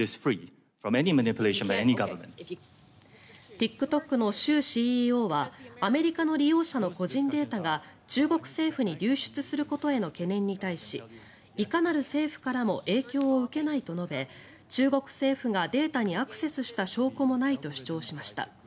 ＴｉｋＴｏｋのシュウＣＥＯはアメリカの利用者の個人データが中国政府に流出することへの懸念に対しいかなる政府からも影響を受けないと述べ中国政府がデータにアクセスした証拠もないと主張しました。